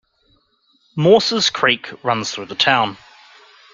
Morses Creek runs through the town.